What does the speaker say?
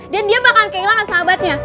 dan dia bakalan kehilangan sahabatnya